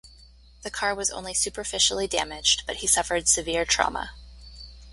The car was only superficially damaged, but he suffered severe trauma.